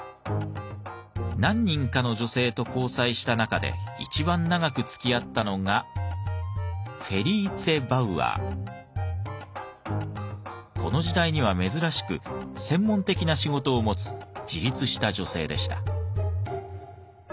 何人かの女性と交際した中で一番長くつきあったのがこの時代には珍しく専門的な仕事を持つ自立した女性でした。